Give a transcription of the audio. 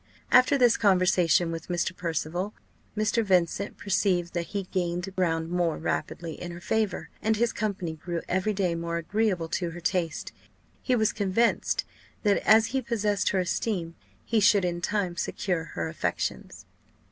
After this conversation with Mr. Percival, Mr. Vincent perceived that he gained ground more rapidly in her favour; and his company grew every day more agreeable to her taste: he was convinced that, as he possessed her esteem, he should in time secure her affections.